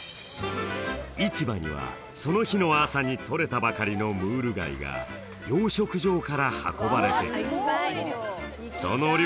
市場にはその日の朝にとれたばかりのムール貝が養殖場から運ばれてくるその量